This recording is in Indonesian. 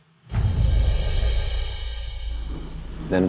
aku baru saja telpon pesanmu